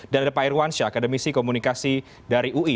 dan ada pak irwansyah akademisi komunikasi dari ui